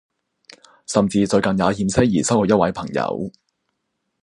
甚至最近也險些兒失去一位朋友